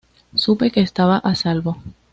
Supe que estaba a salvo.